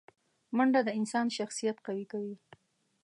منډه د انسان شخصیت قوي کوي